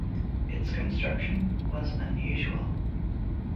Its construction was unusual.